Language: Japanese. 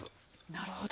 なるほど。